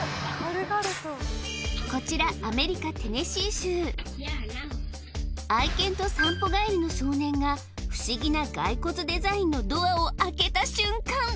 こちらアメリカテネシー州愛犬と散歩帰りの少年が不思議なガイコツデザインのドアを開けた瞬間